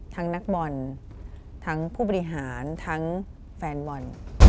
นักบอลทั้งผู้บริหารทั้งแฟนบอล